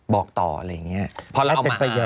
บอกต่ออะไรอย่างนี้